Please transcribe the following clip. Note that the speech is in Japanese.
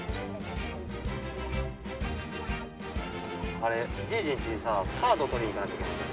あれじいじんちにさカード取りに行かなきゃいけないんだ。